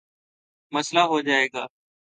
مسلہ ہو جائے گا۔